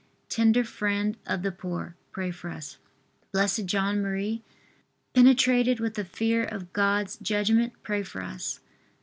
tender friend of the poor, pray for us. B. J. M., penetrated with the fear of God's judgment, pray for us.